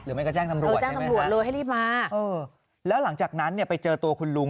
หรือไม่ก็แจ้งสำรวจใช่ไหมครับครับแล้วหลังจากนั้นเนี่ยไปเจอตัวคุณลุง